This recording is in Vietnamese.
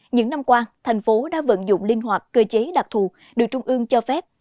những năm qua thành phố đã vận dụng linh hoạt cơ chế đặc thù được trung ương cho phép